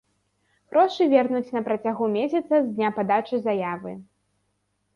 Грошы вернуць на працягу месяца з дня падачы заявы.